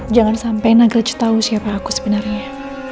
jangan sampai nagraj tau siapa aku sebenarnya